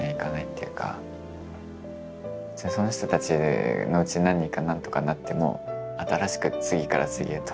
その人たちのうち何人か何とかなっても新しく次から次へと。